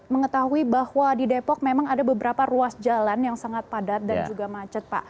mengetahui bahwa di depok memang ada beberapa ruas jalan yang sangat padat dan juga macet pak